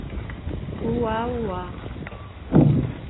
Uauá